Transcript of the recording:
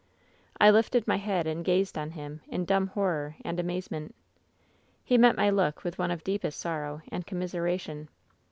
"I lifted my head and gazed on him in dumb horror and amazement. "He met my look with one of deepest sorrow and commiseration.